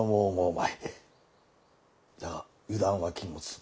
だが油断は禁物。